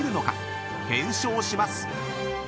［検証します］